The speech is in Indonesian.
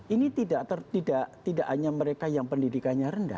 ini tidak hanya mereka yang pendidikannya rendah